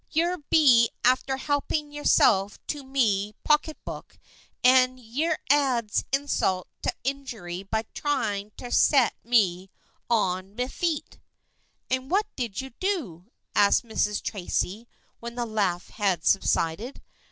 Yer be after helpin' yerself to me pocketbook and yer adds insult ter injury by try in' ter set me on me feet.' "" And what did you do?" asked Mrs. Tracy, when the laugh had subsided.